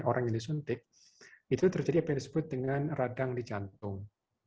orang yang disuntik itu terjadi apa yang disebut dengan radang di jantung